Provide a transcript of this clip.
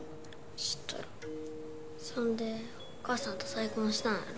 知っとるそんでお母さんと再婚したんやろ？